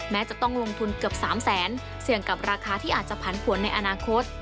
จะต้องลงทุนเกือบ๓แสนเสี่ยงกับราคาที่อาจจะผันผวนในอนาคต